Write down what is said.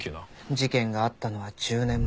事件があったのは１０年前。